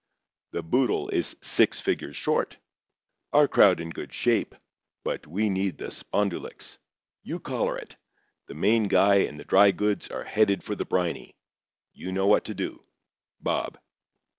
The boodle is six figures short. Our crowd in good shape, but we need the spondulicks. You collar it. The main guy and the dry goods are headed for the briny. You know what to do. BOB.